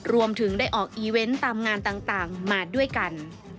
รวมถึงได้ออกอีเวนต์ตามงานต่างมาด้วยกัน